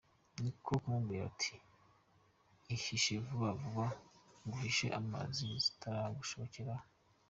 Niko kumubwira ati “Ihishe vuba vuba nguhishe Imanzi zitaragushokeraho”